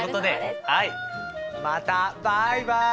またバイバイ！